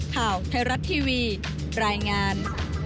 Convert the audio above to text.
ข่าวไทยรัฐทีวีรายงาน